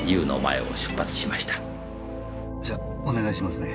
じゃお願いしますね。